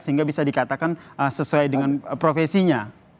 sehingga bisa dikatakan sesuai dengan profesinya